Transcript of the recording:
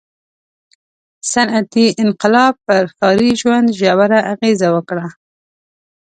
• صنعتي انقلاب پر ښاري ژوند ژوره اغېزه وکړه.